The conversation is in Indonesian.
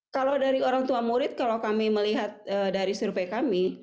kalau dari orang tua murid kalau kami melihat dari survei kami